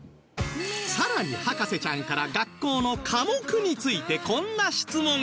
さらに博士ちゃんから学校の科目についてこんな質問が